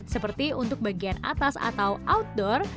seperti untuk bagian atas atau outdoor